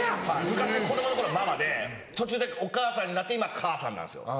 昔子供の頃「ママ」で途中で「お母さん」になって今「母さん」なんですよ。